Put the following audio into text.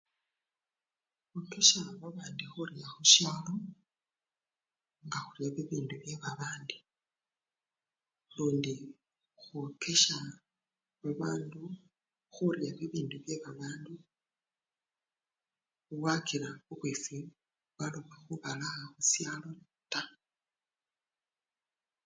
Khwokesha babandi khurya khushalo nga khurya bibindu byebabandi lundi khwokesha babandu khurya bibindu byebabandu wakila bubwifwi bwaloba khubalaa khushalo taa.